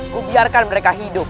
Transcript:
ku biarkan mereka hidup